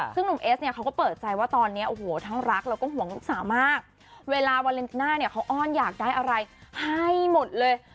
ซึ่งหนุ่มเอสเนี่ยเขาก็เปิดใจว่าตอนนี้โอ้โหทั้งรักแล้วก็ห่วงลูกสาวมากเวลาวาเลนติน่าเนี่ยเขาอ้อนอยากได้อะไรให้หมดเลย